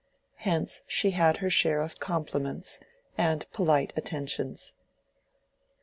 Hence she had her share of compliments and polite attentions.